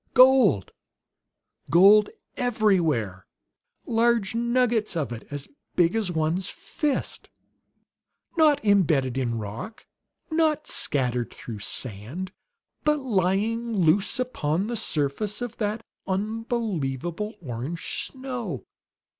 Gold gold everywhere; large nuggets of it, as big as one's fist! Not embedded in rock, not scattered through sand, but lying loose upon the surface of that unbelievable orange snow!